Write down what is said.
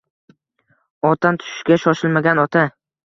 Otdan tushishga shoshilmagan ota.